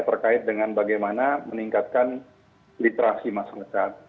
terkait dengan bagaimana meningkatkan literasi masyarakat